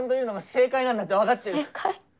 正解？